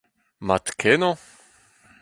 Mat kennañ !